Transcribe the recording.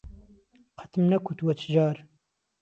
قهتم نهکوتوه چجار